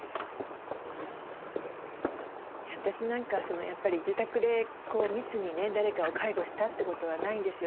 うん私なんかはやっぱり自宅でこう密にね誰かを介護したってことはないんですよ。